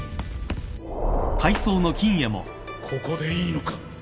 ここでいいのか？